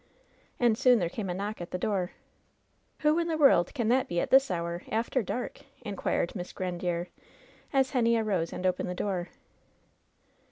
And soon there came a knock at the door. "Who in the world can that be at this hour, after dark?" inquired Miss Grandiere, as Henny arose and opened the door.